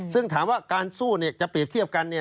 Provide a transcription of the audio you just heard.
ซึ่งถามว่าการสู้จะเปรียบเทียบกัน